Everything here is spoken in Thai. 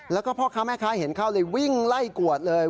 แล้วก็พ่อค้าแม่ค้าเห็นเข้าเลยวิ่งไล่กวดเลย